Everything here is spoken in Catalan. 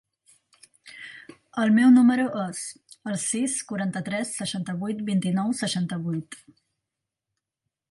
El meu número es el sis, quaranta-tres, seixanta-vuit, vint-i-nou, seixanta-vuit.